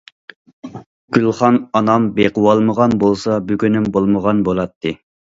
گۈلخان ئانام بېقىۋالمىغان بولسا، بۈگۈنۈم بولمىغان بولاتتى.